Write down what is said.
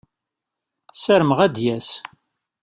Sarmeɣ ad d-yas.